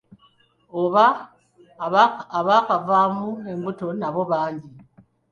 Oba abaakavaamu embuto nabo bangi.